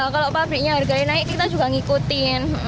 kalau pabriknya harganya naik kita juga ngikutin